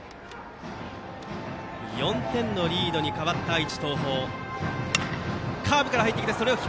４点のリードに変わった愛知・東邦。